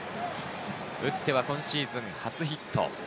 打っては今シーズン初ヒット。